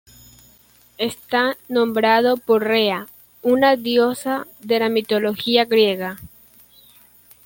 Está nombrado por Rea, una diosa de la mitología griega.